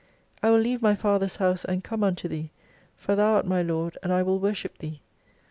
I will leave my father's house and come unto Thee ; for Thou art my Lord, and I will worship Thee.